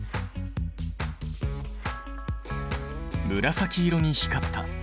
紫色に光った。